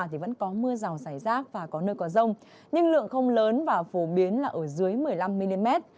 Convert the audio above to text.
thì vẫn có mưa rào rải rác và có nơi có rông nhưng lượng không lớn và phổ biến là ở dưới một mươi năm mm